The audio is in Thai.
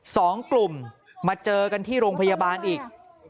สองกลุ่มมาเจอกันที่โรงพยาบาลอีก